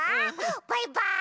バイバーイ！